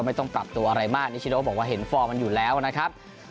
ไม่ต้องปรับตัวอะไรมากนิชโนบอกว่าเห็นฟอร์มมันอยู่แล้วนะครับ